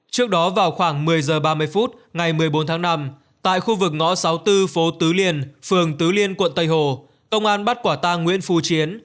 trước đó vào khoảng một mươi h ba mươi phút ngày một mươi bốn tháng năm tại khu vực ngõ sáu mươi bốn phố tứ liên phường tứ liên quận tây hồ công an bắt quả tang nguyễn phu chiến